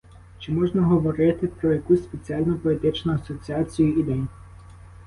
Чи можна говорити про якусь спеціальну поетичну асоціацію ідей?